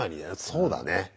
そうだね。